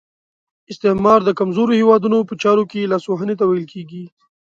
استعمار د کمزورو هیوادونو په چارو کې لاس وهنې ته ویل کیږي.